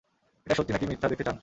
এটা সত্যি নাকি মিথ্যা, দেখতে চান?